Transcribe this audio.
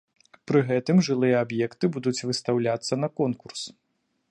Пры гэтым жылыя аб'екты будуць выстаўляцца на конкурс.